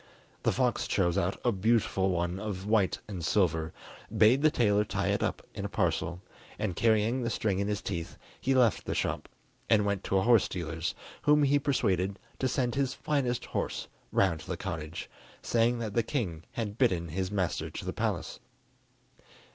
The fox chose out a beautiful one of white and silver, bade the tailor tie it up in a parcel, and carrying the string in his teeth, he left the shop, and went to a horse dealer's, whom he persuaded to send his finest horse round to the cottage, saying that the king had bidden his master to the palace.